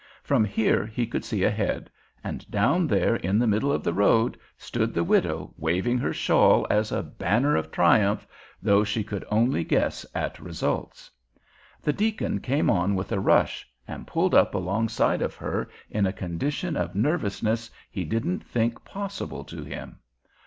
From here he could see ahead, and down there in the middle of the road stood the widow waving her shawl as a banner of triumph, though she could only guess at results. The deacon came on with a rush, and pulled up alongside of her in a condition of nervousness he didn't think possible to him.